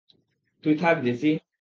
তুই থাক জেসি।